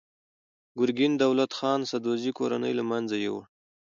ګورګین د دولت خان سدوزي کورنۍ له منځه یووړه.